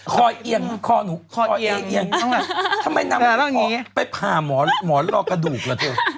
คอเอียงคอหนูคอเอียงทำไมนางไปพาหมอนรอกระดูกเหรอเธอ